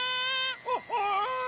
おい！